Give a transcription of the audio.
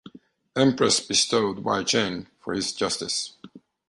Empress bestowed Wei Zheng for his justice.